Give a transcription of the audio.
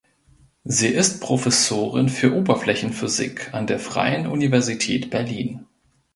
Sie ist Professorin für Oberflächenphysik an der Freien Universität Berlin.